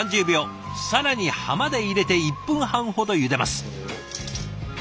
更に葉まで入れて１分半ほどゆでます。